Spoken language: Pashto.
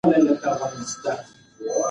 که سیندونه پاک وساتو نو کبان نه مړه کیږي.